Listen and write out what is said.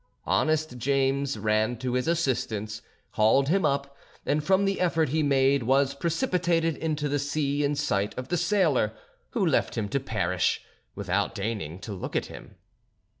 Honest James ran to his assistance, hauled him up, and from the effort he made was precipitated into the sea in sight of the sailor, who left him to perish, without deigning to look at him.